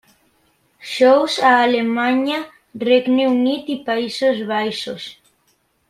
Shows a Alemanya, Regne Unit i Països Baixos.